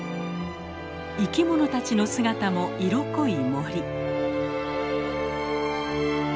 生きものたちの姿も色濃い森。